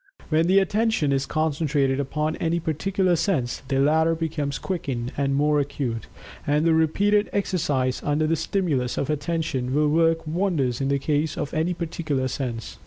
When the Attention is concentrated upon any particular sense, the latter becomes quickened and more acute, and repeated exercise, under the stimulus of Attention, will work wonders in the case of any particular sense.